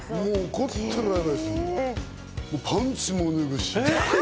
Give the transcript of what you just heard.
パンツも脱ぐし。